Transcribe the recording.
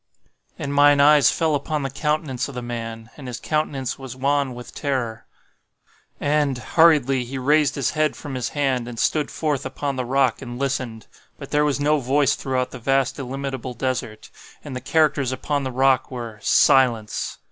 "And mine eyes fell upon the countenance of the man, and his countenance was wan with terror. And, hurriedly, he raised his head from his hand, and stood forth upon the rock and listened. But there was no voice throughout the vast illimitable desert, and the characters upon the rock were SILENCE.